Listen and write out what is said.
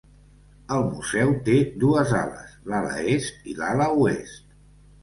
El museu té dues ales: l"ala est i l"ala oest.